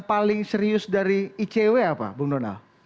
paling serius dari icw apa bung donal